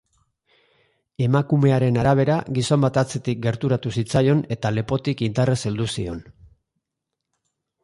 Emakumearen arabera, gizon bat atzetik gerturatu zitzaion eta lepotik indarrez heldu zion.